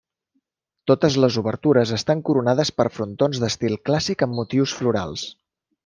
Totes les obertures estan coronades per frontons d'estil clàssic amb motius florals.